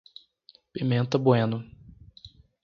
Pimenta Bueno